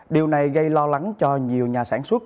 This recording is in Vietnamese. điều này gây lo lắng cho nhiều nhà sản xuất